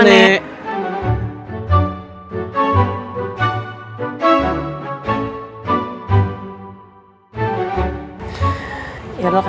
makasih ya nenek